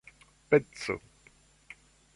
peco